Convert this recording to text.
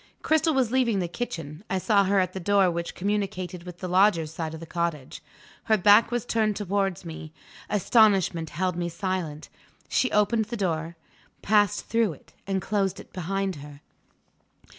Cristel was leaving the kitchen; I saw her at the door which communicated with the Lodger's side of the cottage. Her back was turned towards me; astonishment held me silent. She opened the door, passed through it, and closed it behind her.